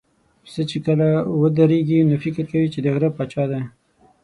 پسه چې کله ودرېږي، نو فکر کوي چې د غره پاچا دی.